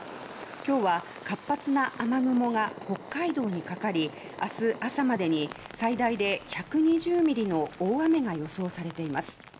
今日は活発な雨雲が北海道にかかり明日朝までに最大で１２０ミリの大雨が予想されています。